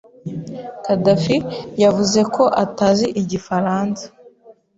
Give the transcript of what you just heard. Khadafi yavuze ko atazi Igifaransa.